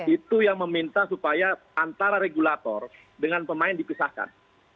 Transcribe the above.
itu yang meminta supaya antara regulator dengan pemain dipisahkan